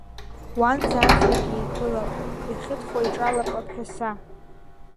Уанӡа аҵлагьы еинҭәылап, ихьыдхәо иҿалап аԥҳәаса.